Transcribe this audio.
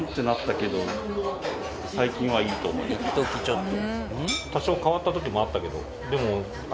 いっときちょっと。